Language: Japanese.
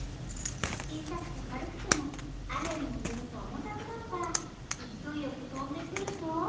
ちいさくてかるくてもあめにぬれるとおもたくなるからいきおいよくとんでくると。